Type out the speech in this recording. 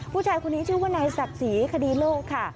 ผู้ชายคนนี้ชื่อว่านายศักดิ์ศรีคดีโลกค่ะ